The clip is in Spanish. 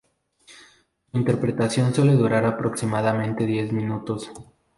Su interpretación suele durar aproximadamente diez minutos.